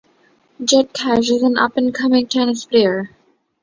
Jett Cash is an up-and-coming tennis player.